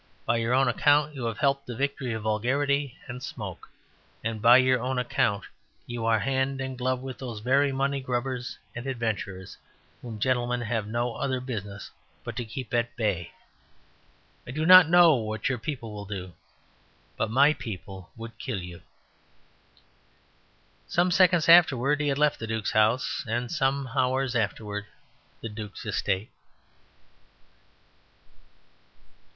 By your own account you have helped the victory of vulgarity and smoke. And by your own account you are hand and glove with those very money grubbers and adventurers whom gentlemen have no other business but to keep at bay. I do not know what your people will do; but my people would kill you." Some seconds afterwards he had left the Duke's house, and some hours afterwards the Duke's estate.